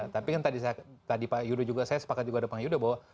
tapi kan tadi pak yudo juga saya sepakat juga ada pak yudo bahwa